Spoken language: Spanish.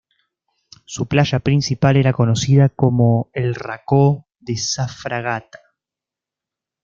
Su playa principal era conocida como el Racó de sa Fragata.